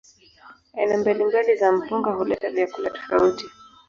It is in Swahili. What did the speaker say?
Aina mbalimbali za mpunga huleta vyakula tofauti.